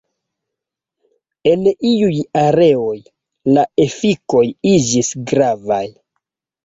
En iuj areoj la efikoj iĝis gravaj.